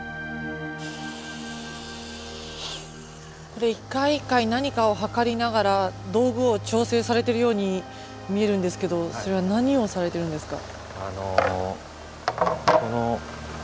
これ一回一回何かを測りながら道具を調整されているように見えるんですけどそれは何をされているんですか？